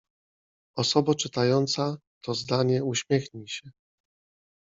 Osobo czytająca to zdanie, uśmiechnij się.